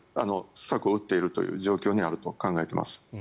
策を打っているという状況にあると考えています。